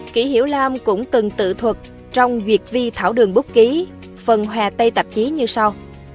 kỷ hiểu lam cũng từng tự thuật trong duyệt vi thảo đường búc ký phần hòa tây tạp chí như sau